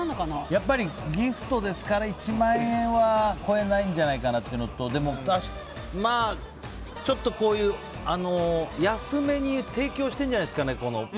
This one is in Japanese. やっぱりギフトですから１万円は超えないんじゃないかなってのとちょっとこういう安めに提供しているんじゃないですかね